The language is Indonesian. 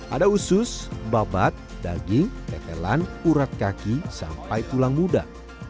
ada usus babat daging tetelan urat kaki sampai tulang muda